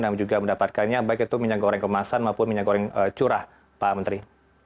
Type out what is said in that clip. dan juga mendapatkannya baik itu minyak goreng kemasan maupun minyak goreng curah pak menteri